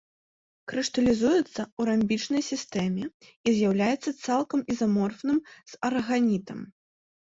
Крышталізуецца ў рамбічнай сістэме і з'яўляецца цалкам ізаморфным з араганітам.